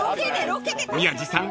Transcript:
［宮治さん